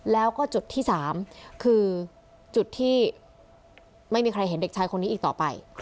แล้วก็จุดที่๓คือจุดที่ไม่มีใครเห็นเด็กชายคนนี้อีกต่อไป